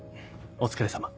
お疲れさま。